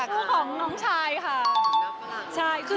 คู่ของน้องชายค่ะ